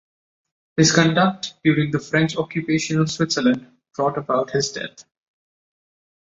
His conduct during the French occupation of Switzerland brought about his death.